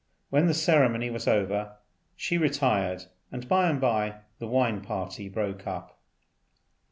When the ceremony was over she retired, and by and by the wine party broke up.